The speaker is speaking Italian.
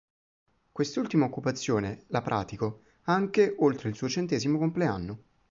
Quest'ultima occupazione la pratico anche oltre il suo centesimo compleanno.